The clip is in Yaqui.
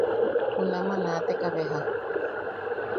Junama naateka beja.